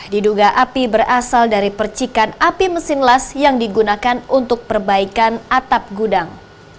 diduga api berasal dari percikan api mesin las yang digunakan untuk perbaikan atap gudang